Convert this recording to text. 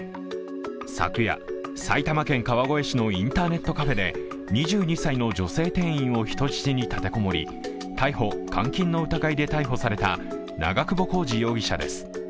昨夜、埼玉県川越市のインターネットカフェで２２歳の女性店員を人質に立て籠もり逮捕・監禁の疑いで逮捕された長久保浩二容疑者です。